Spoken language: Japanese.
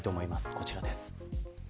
こちらです。